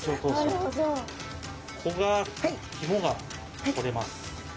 ここが肝が取れます。